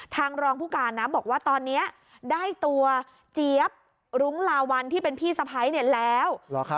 รองผู้การนะบอกว่าตอนนี้ได้ตัวเจี๊ยบรุ้งลาวัลที่เป็นพี่สะพ้ายแล้ว